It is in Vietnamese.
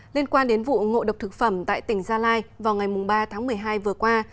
liên quan đến vụ ngộ độc thực phẩm tại tỉnh gia lai vào ngày ba tháng một mươi hai vừa qua